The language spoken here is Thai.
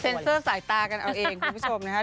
เซอร์สายตากันเอาเองคุณผู้ชมนะครับ